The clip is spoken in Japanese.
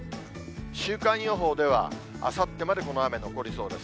週間予報では、あさってまでこの雨、残りそうです。